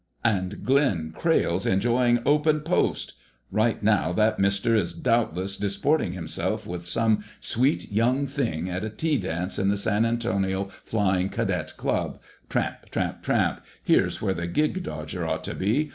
"And Glenn Crayle's enjoying 'open post'! Right now that mister is doubtless disporting himself with some sweet young thing at a tea dance in the San Antonio Flying Cadet Club.... Tramp, tramp, tramp.... Here's where the 'gig' dodger ought to be!